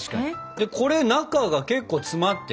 でこれ中が結構詰まってるけど。